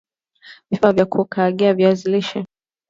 Vifaa vya kukaangie viazi lishe